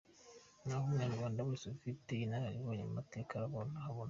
Naho umunyarwanda wese ufite inararibonye mu mateka arahabona!